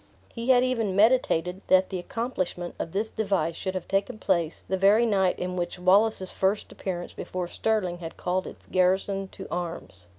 He had even meditated that the accomplishment of this device should have taken place the very night in which Wallace's first appearance before Stirling had called its garrison to arms.